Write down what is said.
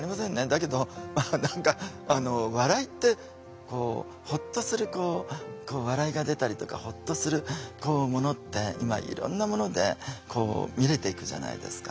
だけど何か笑いってホッとするこう笑いが出たりとかホッとするものって今いろんなもので見れていくじゃないですか。